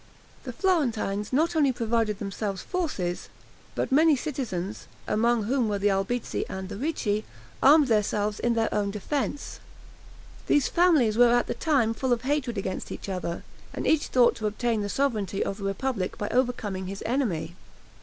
The Florentines not only provided themselves forces, but many citizens, among whom were the Albizzi and the Ricci, armed themselves in their own defense. These families were at the time full of hatred against each other, and each thought to obtain the sovereignty of the republic by overcoming his enemy.